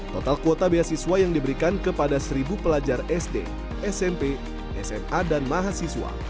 total kuota beasiswa yang diberikan kepada seribu pelajar sd smp sma dan mahasiswa